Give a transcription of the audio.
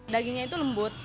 dagingnya itu lembut